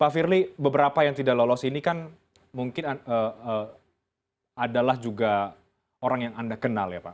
pak firly beberapa yang tidak lolos ini kan mungkin adalah juga orang yang anda kenal ya pak